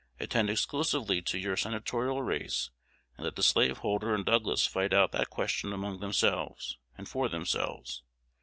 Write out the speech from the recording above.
"Attend exclusively to your senatorial race, and let the slaveholder and Douglas fight out that question among themselves and for themselves.